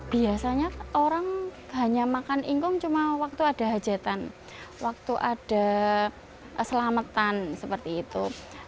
biasanya orang hanya makan ingkung cuma waktu ada hajatan waktu ada selamatan seperti itu